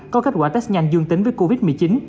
có kết quả test nhanh dương tính với covid một mươi chín